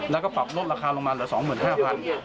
แล้วก็ปรับลดราคาลงมาเหลือ๒๕๐๐บาท